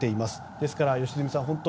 ですから良純さん